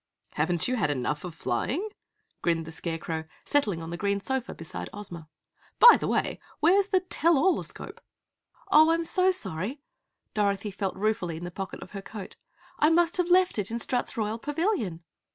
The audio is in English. "Haven't you had enough flying?" grinned the Scarecrow, settling on the green sofa beside Ozma. "By the way, where's the tell all escope?" "Oh, I'm so sorry," Dorothy felt ruefully in the pocket of her coat. "I must have left it in Strut's Royal Pavilion!"